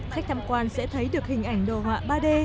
khách tham quan sẽ thấy được hình ảnh đồ họa ba d